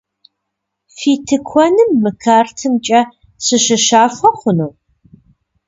Фи тыкуэным мы картымкӏэ сыщыщахуэ хъуну?